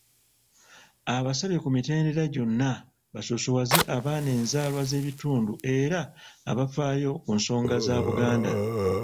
Abasabye ku mitendera gyonna basoosowaze abaana enzaalwa z'ebitundu era abafaayo ku nsonga za Buganda,